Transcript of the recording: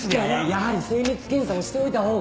やはり精密検査もしておいた方が。